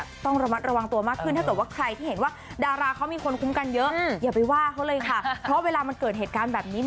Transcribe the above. ก็รู้นะคะ